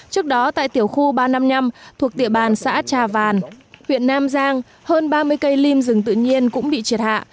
trước đó tại tiểu khu ba trăm năm mươi năm thuộc địa bàn xã trà vàn huyện nam giang hơn ba mươi cây lim rừng tự nhiên cũng bị triệt hạ